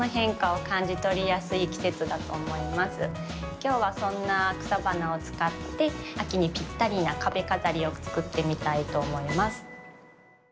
今日はそんな草花を使って秋にぴったりな壁飾りをつくってみたいと思います。